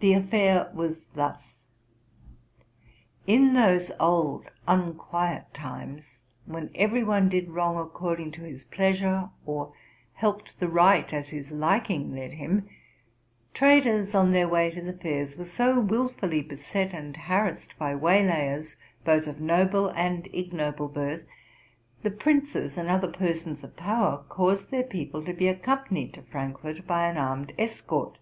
The affair was thus: in those old, unquiet times, when every one did wrong according to his pleasure, or helped the right as his liking led him, traders on their way to the fairs were so wilfully beset and harassed by waylayers, both of noble and ignoble birth, the princes and other persons of power caused their people to: be accompanied to Frankfort by an armed escort.